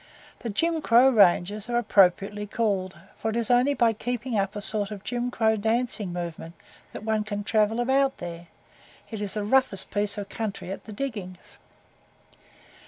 The Jim Crow ranges are appropriately so called, for it is only by keeping up a sort of Jim Crow dancing movement that one can travel about there; it is the roughest piece of country at the diggings.